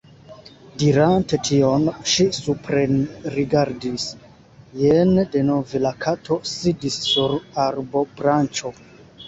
Dirante tion, ŝi suprenrigardis. Jen denove la Kato sidis sur arbobranĉo.